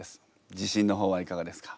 自信の方はいかがですか？